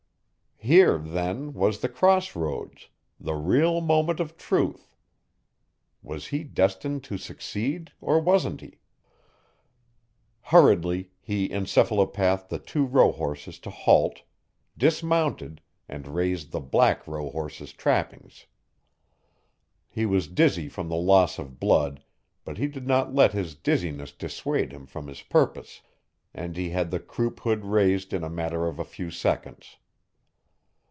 Here, then, was the crossroads, the real moment of truth: was he destined to succeed, or wasn't he? Hurriedly, he encephalopathed the two rohorses to halt, dismounted, and raised the black rohorse's trappings. He was dizzy from the loss of blood, but he did not let his dizziness dissuade him from his purpose, and he had the croup hood raised in a matter of a few seconds.